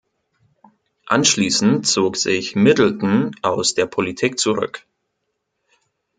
Anschließend zog sich Middleton aus der Politik zurück.